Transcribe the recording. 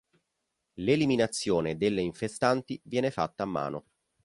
L’eliminazione delle infestanti viene fatta a mano.